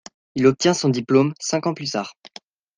Il obtient son diplôme cinq ans plus tard.